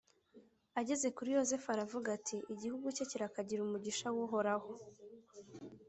ageze kuri yozefu aravuga ati igihugu cye kirakagira umugisha w’uhoraho!